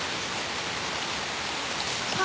あ。